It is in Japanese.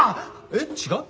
えっ違う？